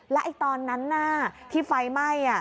แล้วตอนนั้นที่ไฟไหม้